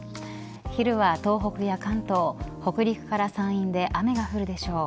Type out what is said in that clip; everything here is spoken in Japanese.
昼は東北や関東北陸から山陰で雨が降るでしょう。